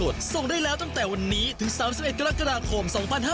ส่งได้แล้วตั้งแต่วันนี้ถึง๓๑กรกฎาคม๒๕๕๙